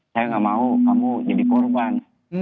saya nggak mau kamu jadi korban